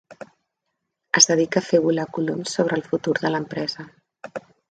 Es dedica a fer volar coloms sobre el futur de l'empresa.